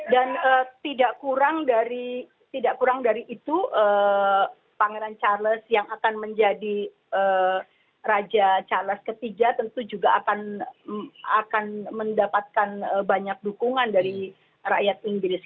dan tidak kurang dari itu pangeran charles yang akan menjadi raja charles ketiga tentu juga akan mendapatkan banyak dukungan dari rakyat inggris